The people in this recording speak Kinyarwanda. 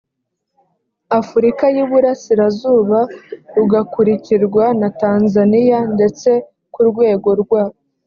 afurika y iburasirazuba rugakurikirwa na tanzania ndetse ku rwego rwa